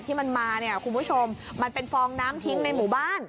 ที่มันมาเนี่ยคุณผู้ชมมันเป็นฟองน้ำทิ้งในหมู่บ้าน